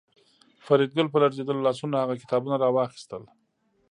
فریدګل په لړزېدلو لاسونو هغه کتابونه راواخیستل